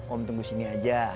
om tunggu sini aja